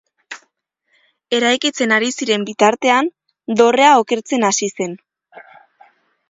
Eraikitzen ari ziren bitartean, dorrea okertzen hasi zen.